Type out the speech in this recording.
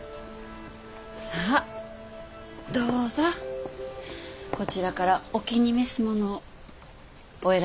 さあどうぞこちらからお気に召すものをお選び下さいませ。